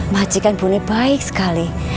majikan bu baik sekali